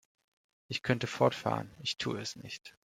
Ich könnte fortfahren, ich tue es nicht.